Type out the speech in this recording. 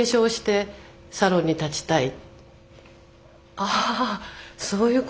「ああそういう事」。